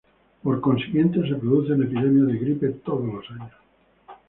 Por consiguiente, se producen epidemias de gripe todos los años.